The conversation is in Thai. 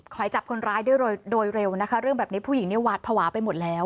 ขอให้จับคนร้ายได้โดยเร็วนะคะเรื่องแบบนี้ผู้หญิงเนี่ยหวาดภาวะไปหมดแล้ว